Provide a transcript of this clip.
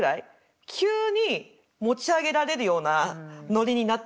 急に持ち上げられるようなノリになってきた。